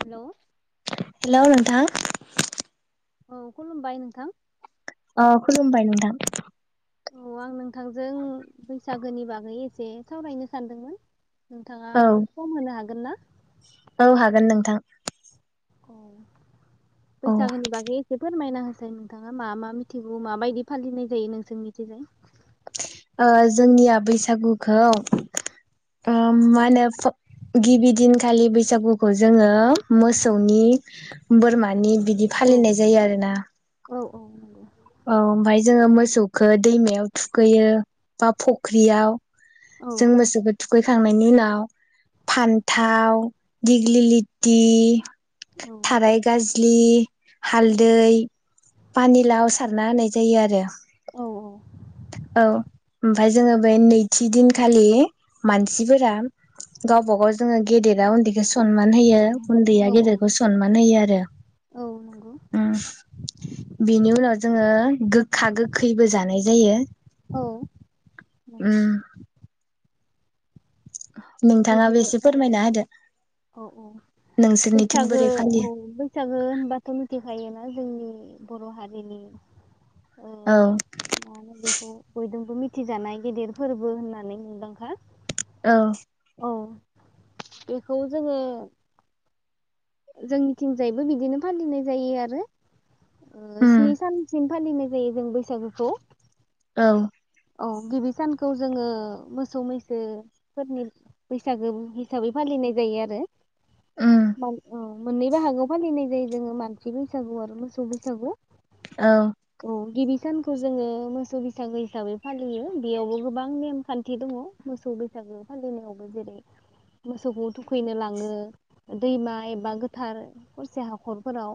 Hello hello नोथां? औ खुलुमबाय नोंथां। अ खुलुमबाय नोंथां। औ आं नों थांजों बैसागोनि बागै से सावरायनो सानदोंमोन। नोंथाङा औ सम होनो हागोन ना? थां। उम। बैसाागनि बागै एसे फोरमायना फ्राय नोंथाङा मा मा मिथिगौ माबायदि फालिनाय जायो नोंसोर निखैजाय। ओ जोंनिया बैसागुखौ ओ मा होनो गिबि दिनखालि बैसागुखौ जोङो मोसौनि बोरमानि बिदि औ फालिनाय जायो आरोना। औ औ नंगौ औ ओमफाय जोङो मोसौखौ दैमायाव थुखैयो बा फख्रियाव औ जोंमोसौखो थु खै खांनायनि उनाव फान्थाव दिग्लि लिथि औ थाराय गाज्लि हालदै औ पानिलाव स सारना होनाय जायो आरो। औ औ ओमफाय जोङो बे नैथि दिनखालि मानसिफोरा गावबा गाव जोङो गेदेरा उन्दैखौ स सनमान होयो उन्दैया औ औ गेदेरखौ सनमान होयो आरो। औ नंगौ उम बिनि उनाव जोङो गोखा गोखैबो जानाय जायो औ नंगौ उम नोंथाङाबो बिदिनो एसे औ फोरमायना होदो औ औ नोंसोरनिथिं बैसागो बोरै औ फालियो बैसागो होनबाथ' लुथिखायो जोंनि बर' हारिनि ओ औ मा होनो बेखौ बयदोंबो मिथि थिजानाय गेदेर फोरबो होननानै मुंदांखा। औ। औ बेखौ जोङो जोंनिथिंजायबो बिदिनो फालिनाय जायो आरो। ओ उम स्नि सानसिम फालिनाय जायो जों बैसागुखौ। औ। औ गिबि सानखौ जोङो मोसौ मैसोफोरनि बैसागो हिसाबै फालिनाय जायो आरो। उम मान औ मोननैबो बाहागोआव फालिनाय जायो जोङो मानसि बैसागु आरो मोसौ बैसागु। औ औ गिबि सानखौ जोङो मोसौ बैसागो हिसाबै फालियो। बेयावबो गोबां नेमखान्थि दङ मोसौ बैसागो फालिनायावबो जेरै मोसौखौ थुखैनो लाङो दैमा एब बा गोथार खरसे हाखरफोराव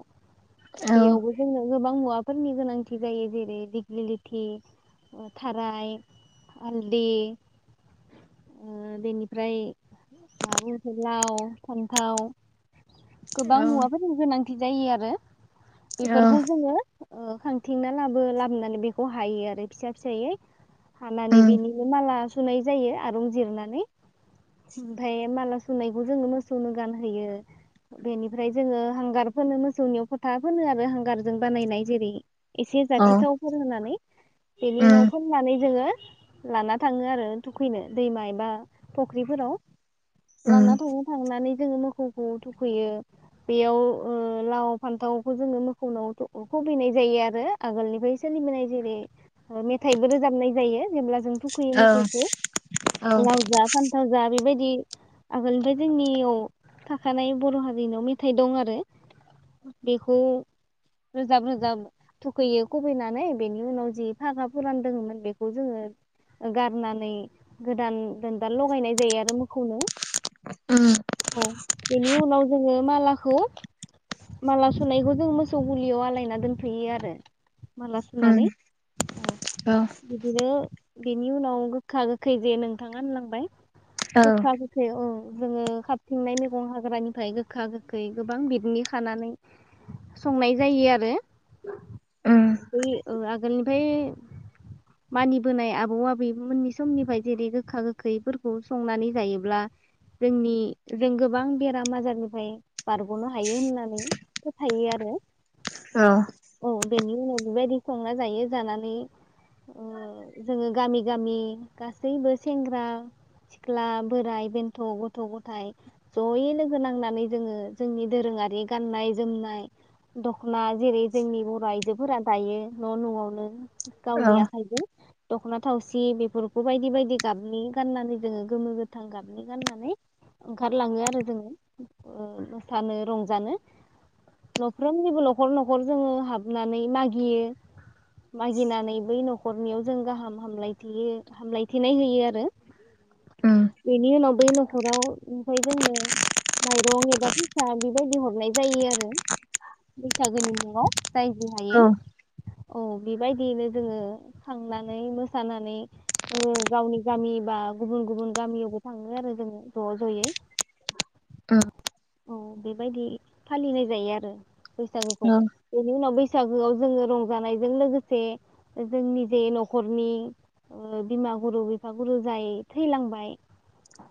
औ बेयावबो जोंनो गोबां मुवा फोरनि गोनांथि जायो जेरै दिग्लिलिथि ओ थाराय हालदि ओबेनिफ्राय माबा बुंङो लाव फान्थाव गोबां औ मुवाफोरनि गोनां थि जायो आरो। औ बेेफोरखौ जोंङो ओ खांथिंना लाबो लाबनानै बेखौ हायो आरो फिसा फिसायै हानानै उम बिनिनो माला सुनाय जायो आरुं जिरनानै ओमफ्राय माला सुनायखौ जोंङो मोसौनो गानहोयो। बेनिफ्राय जोंङो हांगार फोनो मोसौनियाव फथा फो आरो हांगारजों बानायनाय जेरै एसे अ जाथिथावफोर होनानै। बेनि उम उनाव फोननानै जोंङो लाना थाङो आरो थुखैनो दैमा एबा फख्रिफोराव। उम लाना थाङो थांनानै जोङो मोखौखौ थुखैयो बेयाव ओ लाव फान्थावखौ जोङो मोखौनाव थु ओ खुबैनाय जायो आरो आगोलनिफ्राय सोलिबोनाय जेरै मेथाइबो रोजाबनाय जायो जेब्ला जों थुखैयो औ मोसौखौ औ लाव जा फान्थाव जा बेबादि आगोलनिफ्राय जोंनियाव था खानाय बर' हारिनाव मेथाइ दं आरो। बेखौ रोजाब रोजाब थुखैयो खुबैनानै बेनि उनाव जि फागा फुरान दोङोमोन बेखौ जोङो गारनानै गोदान दोनदाल लगायनाय जायो आरो मोखौनो। उम। औ बेनि उनाव जोङो मालाखौ माला सुनायखौ जों मोसौ गुलियाव आलायना दोनफैयो आरो। माला सोनानै उम अ औ बिदिनो बेनि उनाव गोखा गोखै जे नोंथाङा होनलांबाय औ गोखा गोखै अ। जोङो खाबथिंनाय मेग हाग्रानिफ्राय गोखा गोखै गोबां बिदनि खानानै संनाय जायो आरो, उम ब आगोलनिफ्राय मानिबोनाय आबौ आबैमोननि समनिफ्राय जेरै गोखा गोखैफोरखौ संनानै जायोब्ला जोंनि जों गोबां बेराम आजारनिफ्राय बारग'नो हायो होननानै फोथायो आरो। औ औ बेनि बेबायदि संना जायो जानानै ओ जोंङो गामि गामि गासैबो सेंग्रा सिख्ला बोराइ बेन्थ' गथ' गथायाइ जयै लोगो नांनानै जोंङो जोंनि दोरोंङारि गाननाय जोमनाय दख ना जेरै जोंनि बर' आइजो फोरा दायो न' न'आवनो गावनि औ आखाइजों दख'ना थावसि बेफोरखौ बायदि बायदि गाबनि गाननानै जोङो गोमो गोथां गाबनि गाननानै ओंखारलाङो आरो, जोंङो मोसानो रंजानो न'फ्रोमनिबो न'खर न'खर जोंङो हाबनानै मागियो। मागिनानै बै न'खरनियाव जों गाहाम हामल हामलायथिनाय होयो आरो उम बेनि उनाव बै न'खराव ओमफ्राय जोंनो माइरं एबा फैसा बेबायदि हरनाय जायो आरो बैसागोनि मुंआव। जायजों औ हायो। औ बेबायदियैनो जोङो थांनानै मोसानानै, गावनि गामि बा गुबुन गुबुन गामियावबो थाङो आरो जोङो ज' ज। जयै। औ। अ बेबायदि फालिनाय जायो आरो। बैसागोखौ बेनि उनाव बै बैसागोआव जोङो रंजानायजों लोगोसे, जोंनि जे न'खरनि बिमा गुरु बिफा गुरु जाय थैलांबाय।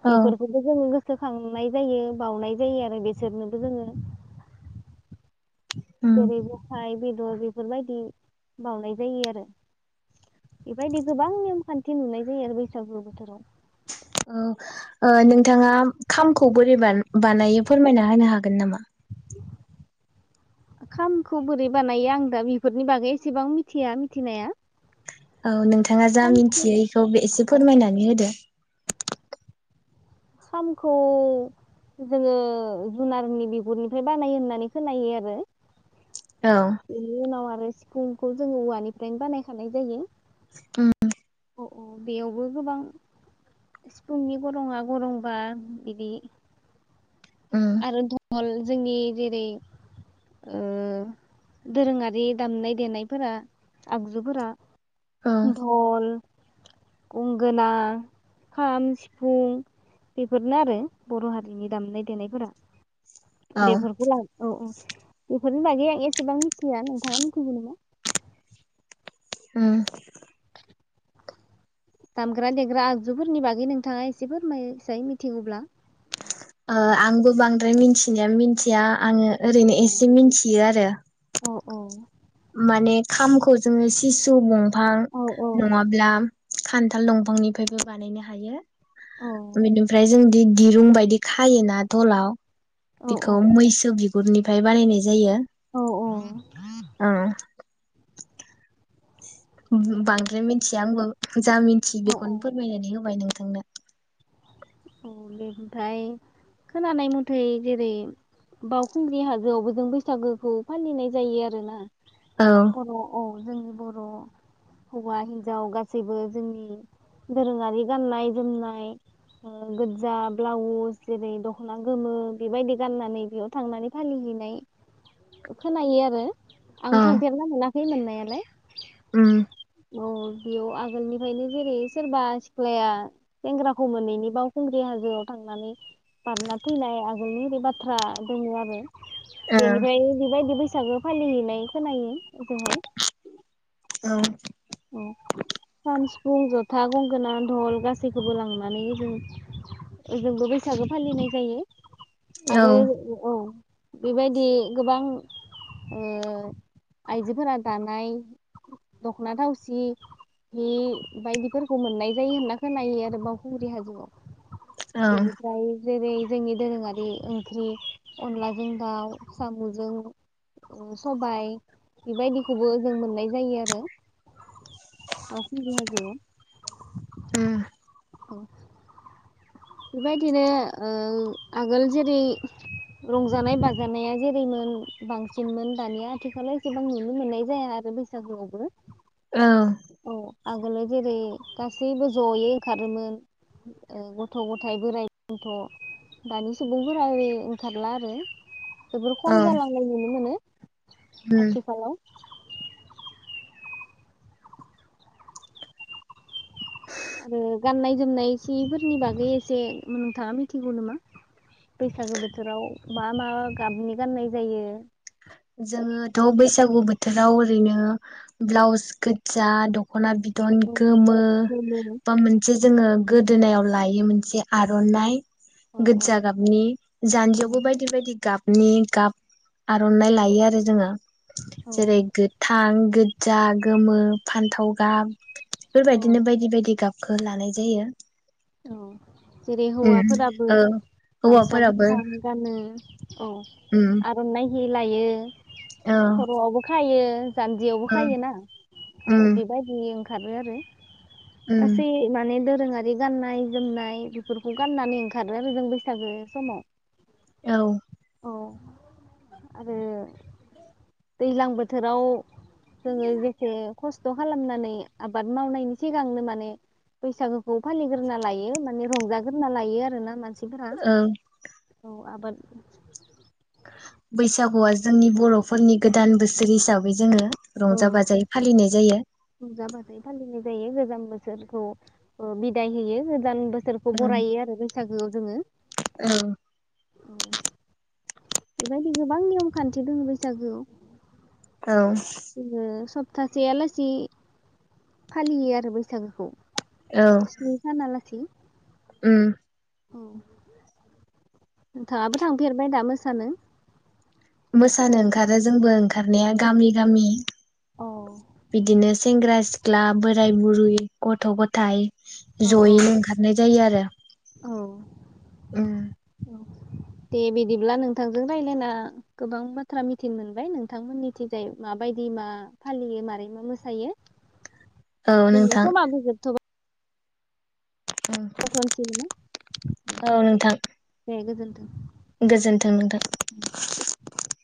औ। जो गोसोखांनाय जायो बाउनाय जायो आरो बेसोरनोबो जोङो। उम जेरै बोखाय बेदर बेफोरबायदि बाउनाय जायो आरो बेबायदि गोबां नेम खान्थि नुनाय जायो आरो, बैसागु बोथोराव। ओ नोंथाङा खामखौ बोरैबान बानायो फोरमायना होनो हागोन नामा? खामखौ बोरै बानायो, आं दा बेफोरनि बागै एसेबां मिथिया मिथिनाया। औ नोंथां। नोंथाङा जा मिथियो खामखौ बेखौ एसे अ फोरमायनानै होदो। खामखौ जोङो जुनारनि बिगुरनिफ्राय बानायो होननानै खोनायो आरो। औ इनि उनाव ओमफ्राय सिफुंखौ जोङो औवानिफ्रायनो बानायखानाय जायो। [unintelligible] औ औ बेयावबो गोबां सिफुंनि गरंआ गरंबा बिदि उम आरो ल जोंनि जेरै दोरोङारि दामनाय देनायफोरा आगजुफोरा। औ धल गंगोना खाम सिफुं बेफोरनो आरो बर' हारिनि दामनाय देनायफोरा औ बेफोरखौ ला औ औ बेनि बागै आं एसेबां मिथिया नोंथाङा मिथिगौ नामा? उम दामग्रा देग्रा आगजुफोरनि बागै नोंथाङा एसे फोरमायसाय मिथिगौब्ला ओ आंबो बांद्राय मिथिनाया मिथिया। आङो औ ओरैनो एसे मिथियो आरो औ औ माने खामखौ जोङो सिसु बं फां औ औ नङाब्ला खान्थाल दंफांनिफायबो बानायनो हायो औ बेनिफ्राय जोंदि दिरुं बायदि खायोना दलाव औ बेखौ मैसो बि गुरनिफ्राय बानायनाय जायो। औ औ ओं ब-बांद्राय मिथिया आंबो। जा मिन्थि औ औ बेखौनो फोरमायनानै होबाय नों थांनो। अ बे ओमफाय खोनानाय मथै जेरै बावखुंग्रि हाजोआवबो जों बैसागोखौ फालिनाय जायो आरोना। औ बर' औ जोंनि बर' हौवा हिन्जाव गासैबो जोंनि दोरोङारि गाननाय जोमनाय ओ गोदजा ब्लाउस जेरै दख'ना गोमो बेबायदि गाननानै बेयाव थांनानै फालिहैनाय खोनायो आरो औ आं थांफेरना मोना खै मोननायालाय। उम औ बावखुंग्रि हाजोयाव थांनानै बारना थैनाय आगोलनि ओरै बाथ्रा दोङो आरो ओ बेनिफाय बिबायदि बैस सागो फालिहैनाय खोनायो ओजोंहाय। औ औ खाम सिफुं जथा गंगोना धल गासैखौबो लांनानै ओजों ओजोंबो बैसागो फालिनाय जायो। औ आरो औ बेबायदि गोबां ओ आइजोफोरा दानाय दख'ना थाव सि हि बायदिफोरखौ मोननाय जायो होनना खोनायो आरो बावखुंग्रि हाजोयाव। औ बेनिफ्राय जेरै जोंनि दोरोङारि ओंख्रि अनलाजों दाउ साम'जों उम सबाइ बेबायदिखौबो ओजों मोननाय जायो आरो बावखुंग्रि हाजोयाव उम औ बेबायदिनो ओ आगोल जेरै रंजानाय बाजानाया जेरैमोन बांसिनमोन दानिया आथिखालाव एसेबां नुनो मोननाय जाया आरो बैसागोयावबो। औ औ आगोलाव जेरै गासैबो ज'यै ओंखारोमोन ओ गथ' गथाय बोराइ बन्थ' दानि सुबुंफोरा ओरै ओंखारला आरो जोबोर औ खम जालांनाय नुनो मोनो। उम आथिखालाव आरो गाननाय जोमनाय सिफोरनि बागै एसे ओम नोंथाङा मिथिगौ नामा बैसागो बोथोराव मा मा गाबनि गाननाय जायो। जोङोथ' बैसागु बोथोराव ओरैनो ब्लाउस गोजा दख ख'ना बिदन गोमो जोमो बा मोनसे जोङो गोदोनायाव लायो मोनसे आर'नाइ। औ औ गोदजा गाबनि औ जान्जियावबो बायदि बायदि गाब नि गाब आर'नाइ। थायो आरो जोङो औ जेरै गोथां गोद जा गोमो फान्थाव गाब। औ बेफोरबायदिनो बायदि बायदि गाब खो लानाय जायो। औ जेरै उम हौवाफोराबो औ गामसा हौवाफोराबो गोथां गानो औ उम आर'नाइ। हिलायो। औ खर'आवबो खायो। जान्दियावबो औ खायोना औ उम बेबायदि ओं खारो आरो। उम गासै माने दोद रोङारि गाननाय जोमनाय बेफोरखौ गाननानै ओंखारो आरो जों बैसागो समाव। औ औ आरो दैज्लां बोथोराव जोङो बेसे खस्थ' खालामनानै आबाद मावनायनि सिगांनो माने बैसागुखौ फालिग्रोना लायो माने रंजाग्रोना लायो आरोना मानसि फोरा औ आबाद बैसागुआ जोंनि बर'फोरनि गोदान बोसोर हिसाबै जोङो औ रंजा बाजायै फालिनाय जायो। रंजाबाथाय फालिनाय जायो गोजाम बोसोरखौ ओ बिदाय होयो गोदान बो सोरखौ उम बरायो आरो बैसागो जोङो औ औ बेबायदि गोबां नियम खान्थि दङ बैसागोआव। औ थासेयालासि फालियो आरो बैसागोखौ। स्नि सानहालासि ओम औ नोंथाङाबो थांफेरबाय दा मोसानो? मोसानो ओंखारो जोंबो ओंखारनाया गामि-गामि औ बिदिनो सेंग्रा-सिख्ला बोराय बुरै गथ' गथाइ औ औ जयैनो ओंखारनाय जायो आरो औ ओम दे बिदिब्ला नोंथांजों रायलायना गोबां बाथ्रा मिथिने मोनबाय नोंथांमोननिथिंजाय माबायदि मा फालियो मारै मा मोसायो औ जोंनिया नोंथां समाबो जोबथबाय दोथ'नोसै नामा दे औ नोंथां दे गोजोनथो गोजोन्थों नोंथां।